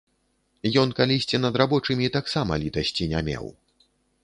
Ён калісьці над рабочымі таксама літасці не меў.